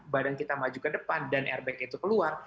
badan kita maju ke depan dan airbag itu keluar